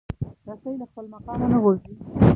رسۍ له خپل مقامه نه غورځي.